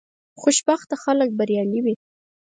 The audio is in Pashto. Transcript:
خوشبینه خلک بریالي وي.